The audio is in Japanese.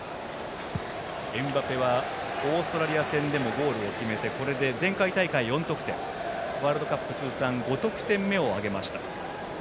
エムバペはオーストラリア戦でもゴールを決めて前回大会は４得点でしたからワールドカップ通算５得点目を挙げました。